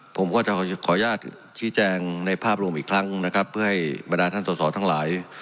ผมก็จะขออนุญาตชี้แจงในภาพรวมอีกครั้งนะครับเพื่อให้บรรดาท่านสอสอทั้งหลาย